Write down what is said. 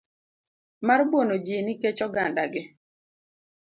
mar buono ji nikech ogandagi.